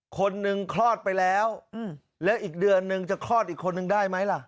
คนหนึ่งคลอดไปแล้วแล้วอีกเดือนนึงจะคลอดอีกคนนึงได้ไหมล่ะ